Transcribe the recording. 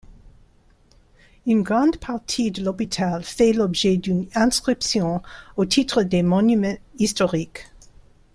Une grande partie de l'hôpital fait l'objet d'une inscription au titre des monuments historiques.